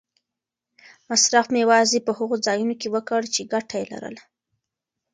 مصرف مې یوازې په هغو ځایونو کې وکړ چې ګټه یې لرله.